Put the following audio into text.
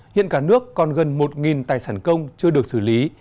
hiện cả nước còn gần một tài sản công chưa được xử lý